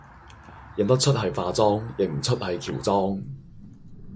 認得出係化妝，認唔出係喬妝